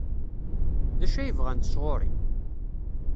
D acu i bɣant sɣur-i?